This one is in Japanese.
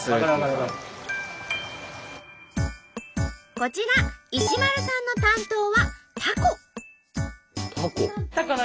こちら石丸さんの担当はタコ。